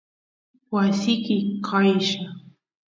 wasiki qaylla